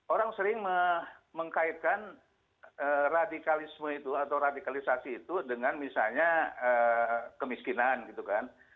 orang sering mengkaitkan radikalisme itu atau radikalisasi itu dengan misalnya kemiskinan gitu kan